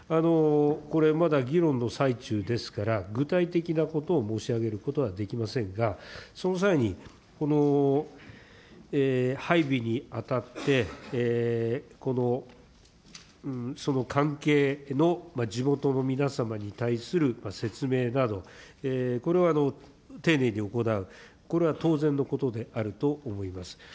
これ、まだ議論の最中ですから、具体的なことを申し上げることはできませんが、その際に、この配備にあたって、その関係の地元の皆様に対する説明など、これは丁寧に行う、これは当然のことであると思います。